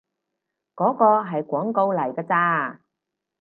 嗰個係廣告嚟㗎咋